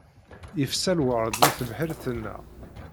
Yefsa lwerḍ deg tebḥirt-nneɣ.